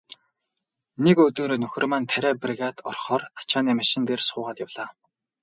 Нэг өдөр нөхөр маань тариа бригад орохоор ачааны машин дээр суугаад явлаа.